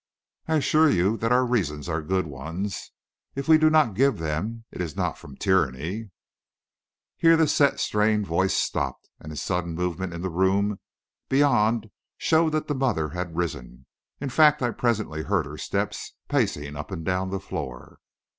I assure you that our reasons are good ones, if we do not give them. It is not from tyranny " Here the set, strained voice stopped, and a sudden movement in the room beyond showed that the mother had risen. In fact, I presently heard her steps pacing up and down the floor.